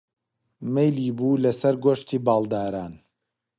مەیلی بوو لەسەر گۆشتی باڵداران